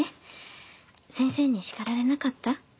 先生に叱られなかった？